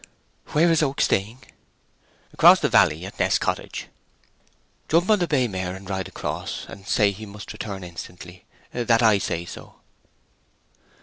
"Where is Oak staying?" "Across the valley at Nest Cottage!" "Jump on the bay mare, and ride across, and say he must return instantly—that I say so."